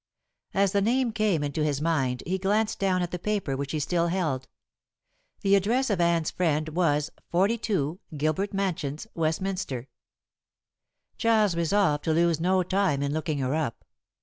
As the name came into his mind he glanced down at the paper, which he still held. The address of Anne's friend was "42, Gilbert Mansions, Westminster." Giles resolved to lose no time in looking her up.